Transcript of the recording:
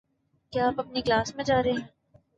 کیا آپ اپنی کلاس میں جا رہے ہیں؟